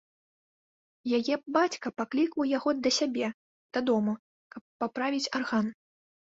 Яе бацька паклікаў яго да сябе дадому, каб паправіць арган.